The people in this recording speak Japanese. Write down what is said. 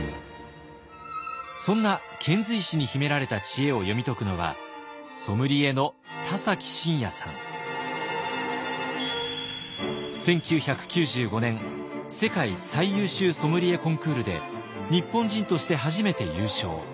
そんな遣隋使に秘められた知恵を読み解くのは１９９５年世界最優秀ソムリエコンクールで日本人として初めて優勝。